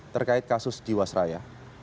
terkait kasus jiwasraya